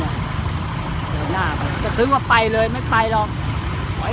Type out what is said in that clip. แต่คือไปเลยไม่ไปและ